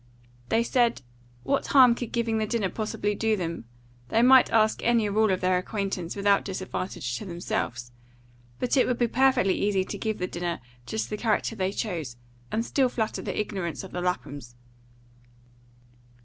They said, What harm could giving the dinner possibly do them? They might ask any or all of their acquaintance without disadvantage to themselves; but it would be perfectly easy to give the dinner just the character they chose, and still flatter the ignorance of the Laphams.